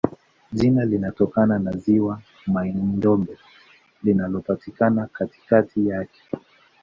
Jina linatokana na ziwa Mai-Ndombe linalopatikana katikati yake.